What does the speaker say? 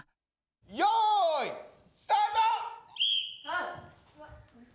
よいスタート！